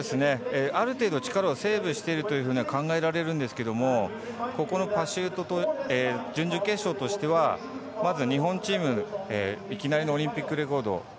ある程度力をセーブしているというふうに考えられるんですがここのパシュート準々決勝としてはまず日本チーム、いきなりのオリンピックレコード。